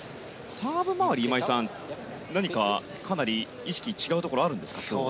サーブ回り、今井さん、今日は何か意識が違うところがあるんですか？